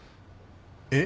えっ？